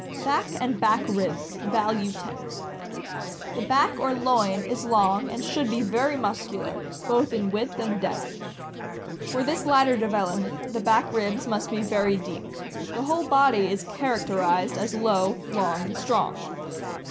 Back and back ribs (value 10). — The back or loin is long, 326 THE AMERICAN BOOK OF THE DOG. and should be very muscular both in width and depth. For this latter development, the back ribs must be very deep. The whole body is characterized as low, long, and strong.